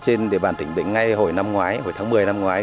trên địa bàn tỉnh bệnh ngay hồi năm ngoái hồi tháng một mươi năm ngoái